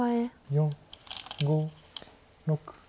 ４５６。